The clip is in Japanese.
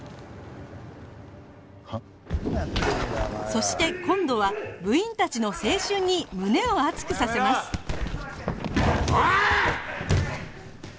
そして今度は部員たちの青春に胸を熱くさせますおい！！